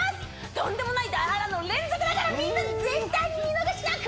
とんでもない大波乱の連続だからみんな絶対に見逃しなく！